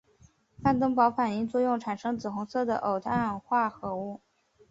范登堡反应作用产生紫红色的偶氮化合物。